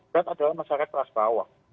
berat adalah masyarakat kelas bawah